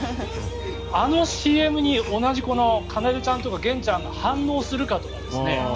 あのＣＭに同じ奏ちゃんとか玄ちゃんが反応するかとか。